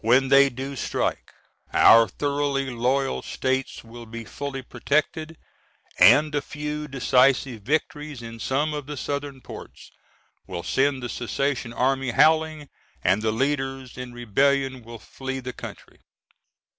When they do strike, our thoroughly loyal states will be fully protected, and a few decisive victories in some of the southern ports will send the secession army howling, and the leaders in the rebellion will flee the country.